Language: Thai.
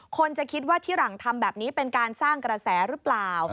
คนจะคิดว่าที่หลังทำแบบนี้เป็นการสร้างกระแสหรือเปล่า